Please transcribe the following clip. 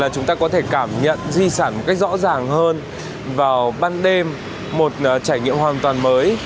chúng ta có thể cảm nhận di sản một cách rõ ràng hơn vào ban đêm một trải nghiệm hoàn toàn mới